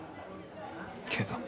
けど。